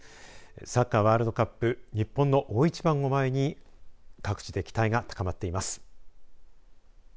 サッカーワールドカップ日本の大一番を前に各地で期待が高まっています。